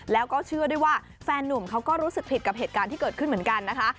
แล้วก็เชื่อด้วยว่าแฟนนุ่มเขาก็รู้สึกผิดกับเหตุการณ์ที่เกิดขึ้นเหมือนกันนะคะ